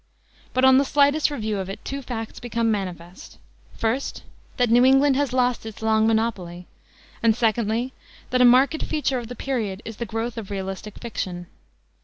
But on the slightest review of it two facts become manifest: first, that New England has lost its long monopoly; and, secondly, that a marked feature of the period is the growth of realistic fiction.